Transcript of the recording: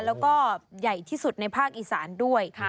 แล้วก็ใหญ่ที่สุดในภาคอีสานด้วย